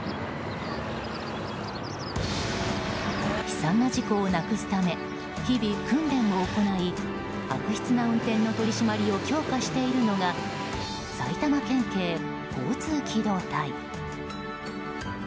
悲惨な事故をなくすため日々、訓練を行い悪質な運転の取り締まりを強化しているのが埼玉県警交通機動隊。